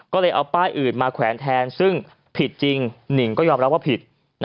ก็เลยเอาป้ายอื่นมาแขวนแทนซึ่งผิดจริงหนิ่งก็ยอมรับว่าผิด